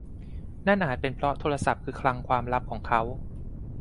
นั่นอาจเป็นเพราะโทรศัพท์คือคลังความลับของเขา